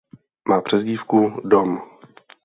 Má přezdívku Dom.